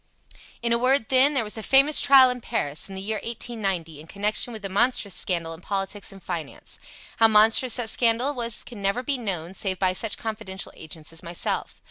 "In a word, then, there was a famous trial in Paris, in the year 1890, in connection with a monstrous scandal in politics and finance. How monstrous that scandal was can never be known save by such confidential agents as myself.